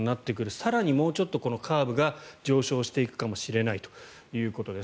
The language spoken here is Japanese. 更にもうちょっとこのカーブが上昇していくかもしれないということです。